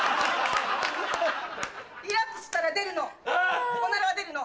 リラックスしたら出るのおならが出るの。